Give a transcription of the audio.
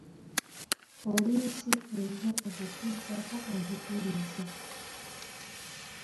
Poliisi ezze okukuggyako obujulizi.